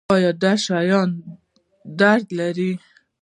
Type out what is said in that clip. ایا دا شیان درد لري؟